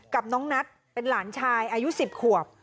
กับน้องนัทเป็นหลานชายอายุ๑๐ขวบ